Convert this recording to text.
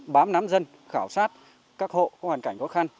bám nắm dân khảo sát các hộ có hoàn cảnh khó khăn